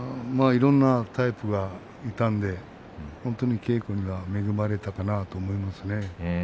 いろんなタイプがいたので本当に稽古には恵まれたかなと思いますね。